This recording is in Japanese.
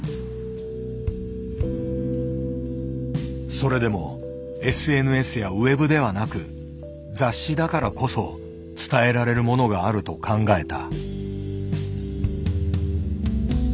それでもＳＮＳやｗｅｂではなく雑誌だからこそ伝えられるものがあると考えた。